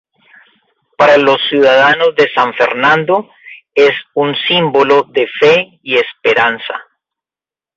Para los ciudadanos de San Fernando, es un símbolo de Fe y Esperanza.